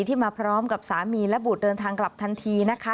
มาพร้อมกับสามีและบุตรเดินทางกลับทันทีนะคะ